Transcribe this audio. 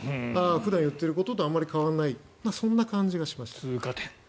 普段言っていることとあまり変わらないそんな感じがしました。